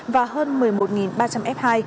và hơn một mươi một ba trăm linh f hai